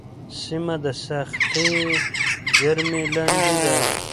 سیمه د سختې ګرمۍ لاندې ده.